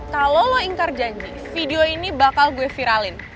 kalau lo ingkar janji video ini bakal gue viralin